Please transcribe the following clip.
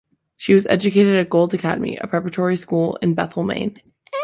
She was educated at Gould Academy, a preparatory school in Bethel, Maine.